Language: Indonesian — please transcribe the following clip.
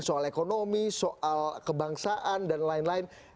soal ekonomi soal kebangsaan dan lain lain